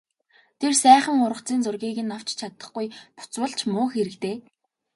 Тэр сайхан ургацын зургийг нь авч чадахгүй буцвал ч муу хэрэг дээ...